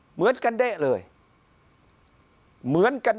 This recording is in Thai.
พักพลังงาน